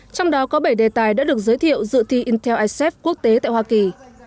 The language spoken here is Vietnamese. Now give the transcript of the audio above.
trong đó có bảy đề tài đã được giới thiệu dự thi intel icef quốc tế tại hoa kỳ